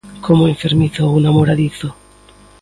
Como enfermizo ou namoradizo.